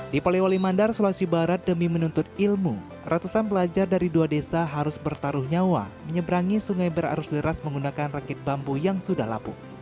di polewali mandar sulawesi barat demi menuntut ilmu ratusan pelajar dari dua desa harus bertaruh nyawa menyeberangi sungai berarus deras menggunakan rakit bambu yang sudah lapuk